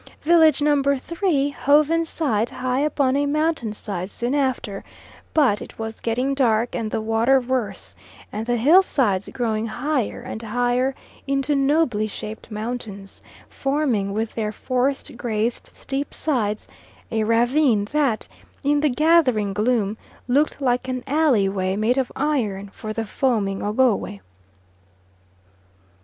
Village number three hove in sight high up on a mountain side soon after, but it was getting dark and the water worse, and the hill sides growing higher and higher into nobly shaped mountains, forming, with their forest graced steep sides, a ravine that, in the gathering gloom, looked like an alley way made of iron, for the foaming Ogowe.